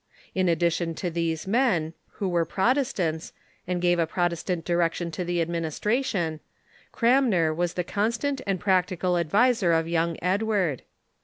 In addition to these men, who were Protestants, and gave a Protestant direction to the administration, Cranmer was the constant and 2)ractical ad viser of young Edward.